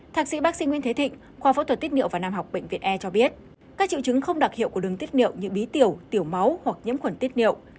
thạc sĩ bác sĩ nguyễn thế thịnh khoa phẫu thuật tiết niệu và nam học bệnh viện e cho biết các triệu chứng không đặc hiệu của đường tiết niệu như bí tiểu tiểu máu hoặc nhiễm khuẩn tiết niệu